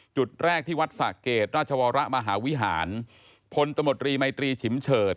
จุดแรกที่วัดสะเกดราชวรมหาวิหารพลตมตรีไมตรีฉิมเฉิด